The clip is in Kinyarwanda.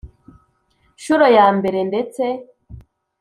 Ncuro ya mbere ndetse